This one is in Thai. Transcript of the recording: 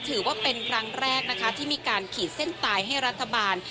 ถือว่าเป็นครั้งแรกนะคะที่มีการขีดเส้นตายให้รัฐบาล